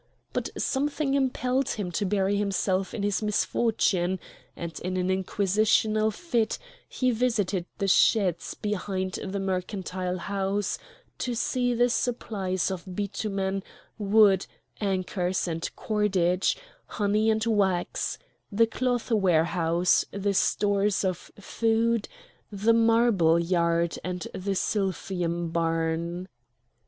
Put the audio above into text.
But something impelled him to bury himself in his misfortune; and in an inquisitorial fit he visited the sheds behind the mercantile house to see the supplies of bitumen, wood, anchors and cordage, honey and wax, the cloth warehouse, the stores of food, the marble yard and the silphium barn.